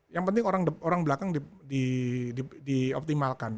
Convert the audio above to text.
yang penting orang belakang dioptimalkan